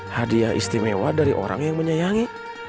hadiah istimewa dari orang yang menyayangi